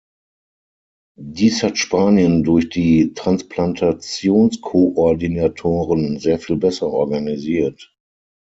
Dies hat Spanien durch die Transplantationskoordinatoren sehr viel besser organisiert.